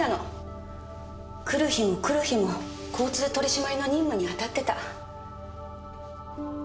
来る日も来る日も交通取り締まりの任務に当たってた。